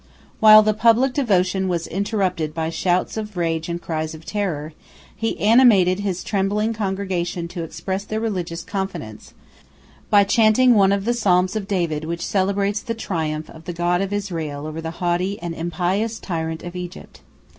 While the public devotion was interrupted by shouts of rage and cries of terror, he animated his trembling congregation to express their religious confidence, by chanting one of the psalms of David which celebrates the triumph of the God of Israel over the haughty and impious tyrant of Egypt.